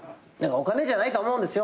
お金じゃないと思うんですよ。